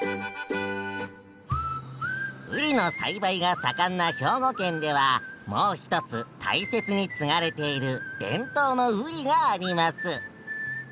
ウリの栽培が盛んな兵庫県ではもう一つ大切に継がれている伝統のウリがあります。